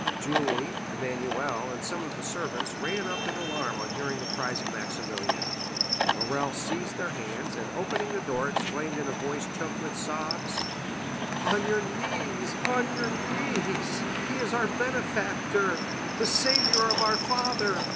Julie, Emmanuel, and some of the servants, ran up in alarm on hearing the cries of Maximilian. Morrel seized their hands, and opening the door exclaimed in a voice choked with sobs: "On your knees—on your knees—he is our benefactor—the saviour of our father!